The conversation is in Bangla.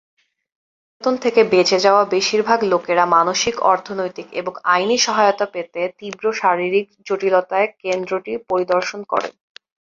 নির্যাতন থেকে বেঁচে যাওয়া বেশিরভাগ লোকেরা মানসিক, অর্থনৈতিক এবং আইনী সহায়তা পেতে তীব্র শারীরিক জটিলতায় কেন্দ্রটি পরিদর্শন করেন।